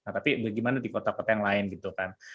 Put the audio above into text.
tapi bagaimana di kota kota yang lain gitu kan